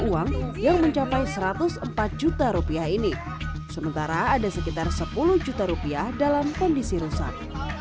uang yang mencapai satu ratus empat juta rupiah ini sementara ada sekitar sepuluh juta rupiah dalam kondisi rusak